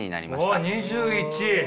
おおっ２１。